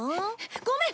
ごめん。